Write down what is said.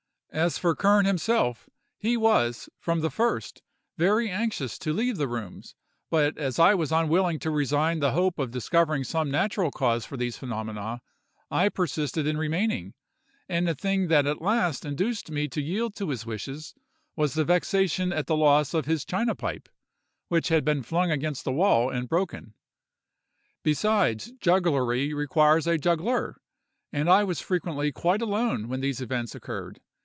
As for Kern himself, he was, from the first, very anxious to leave the rooms; but as I was unwilling to resign the hope of discovering some natural cause for these phenomena, I persisted in remaining; and the thing that at last induced me to yield to his wishes was the vexation at the loss of his china pipe, which had been flung against the wall and broken. Besides, jugglery requires a juggler, and I was frequently quite alone when these events occurred.